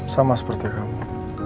sama seperti kamu